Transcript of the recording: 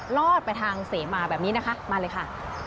รอดไปทางเสมาแบบนี้นะคะมาเลยค่ะ